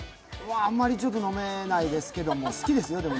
あんまりちょっと飲めないですけど、飲むの好きですよ。